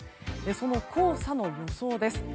その黄砂の予想です。